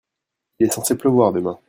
Il est censé pleuvoir demain.